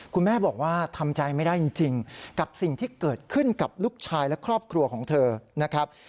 คุณแม่บอกว่าทำใจไม่ได้จริงกับสิ่งที่เกิดขึ้นกับลูกชายและครอบครัวของเธอนะครับ